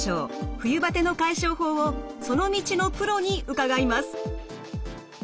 冬バテの解消法をその道のプロに伺います。